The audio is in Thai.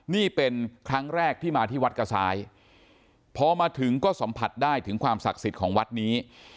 นี่เป็นครั้งแรกที่มาที่วัดกระซ้ายพอมาถึงก็สัมผัสได้ถึงความศักดิ์สิทธิ์ของวัดนี้